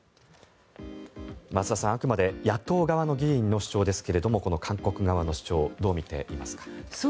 増田さん、あくまで野党側の議員の主張ですがこの韓国側の主張どうみていますか？